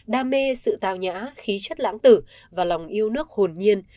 đam mê sự tao nhã khí chất lãng tử và lòng yêu nước hồn nhiên